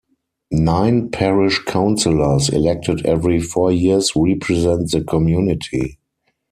Nine Parish Councillors, elected every four years represent the community.